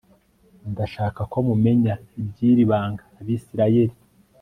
ndashaka ko mumenya iby iri banga abisirayeli